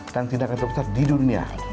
dan tindakan terbesar di dunia